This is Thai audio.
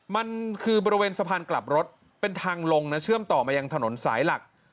มันคือบริเวณสะพานกลับรถเป็นทางลงนะเชื่อมต่อมายังถนนสายหลัก